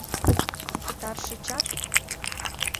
— Пытарышычат?